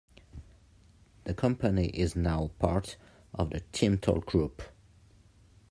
The company is now part of the TeamTalk Group.